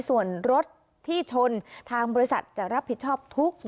สวัสดีครับ